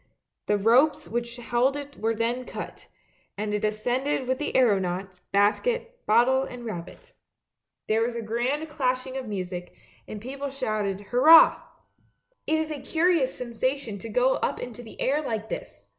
The ropes which held it were then cut, and it ascended with the aeronaut, basket, bottle and rabbit. There was a grand clashing of music, and the people shouted "Hurrah! "" It is a curious sensation to go up into the air like this!